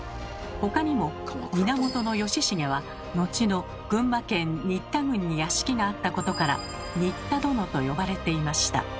他にも源義重は後の群馬県新田郡に屋敷があったことから「新田殿」と呼ばれていました。